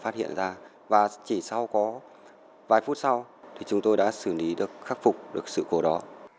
phát hiện ra và chỉ sau có vài phút sau thì chúng tôi đã xử lý được khắc phục được sự cố đó